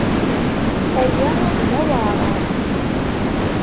Aya d aweɛṛan.